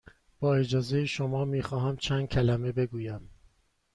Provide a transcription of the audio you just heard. با اجازه شما، می خواهم چند کلمه بگویم.